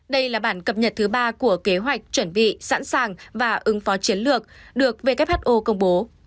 đây là bản cập nhật thứ ba của kế hoạch chuẩn bị sẵn sàng và ứng phó chiến lược được who công bố